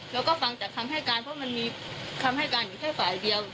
เราก็ฟังจากคำให้การเพราะมันมีคำให้การอยู่แค่ฝ่ายเดียว